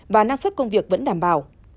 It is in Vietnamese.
và năng suất công việc vẫn đảm bảo